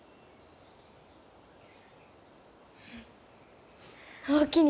うんおおきに。